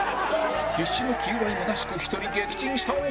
必死の求愛むなしく１人撃沈した男は？